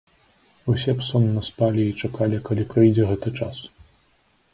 Усе б сонна спалі і чакалі, калі прыйдзе гэты час.